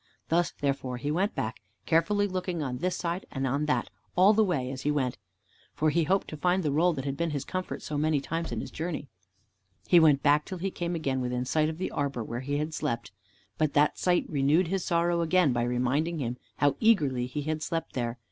Thus therefore he went back, carefully looking on this side and on that all the way as he went. For he hoped to find the roll that had been his comfort so many times in his journey. He went back till he came again within sight of the arbor where he had sat and slept, but that sight renewed his sorrow again, by reminding him how eagerly he had slept there.